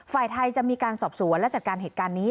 ฝ่ายไทยจะมีการสอบสวนและจัดการเหตุการณ์นี้